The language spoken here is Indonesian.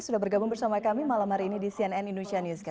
sudah bergabung bersama kami malam hari ini di cnn indonesia newscast